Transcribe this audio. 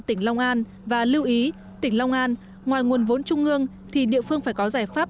tỉnh long an và lưu ý tỉnh long an ngoài nguồn vốn trung ương thì địa phương phải có giải pháp